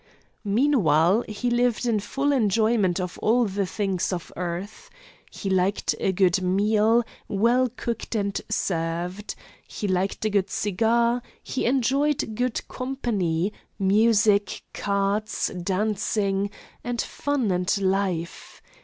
Meanwhile he lived in full enjoyment of all the things of earth. He liked a good meal, well cooked and served. He liked a good cigar. He enjoyed good company, music, cards, dancing, and fun and life.